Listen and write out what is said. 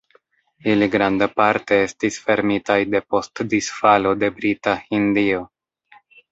Ili grandparte estis fermitaj depost disfalo de Brita Hindio.